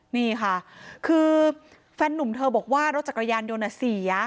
นี่ค่ะคือแฟนนุ่มเธอบอกว่ารถจักรยานยนต์เสีย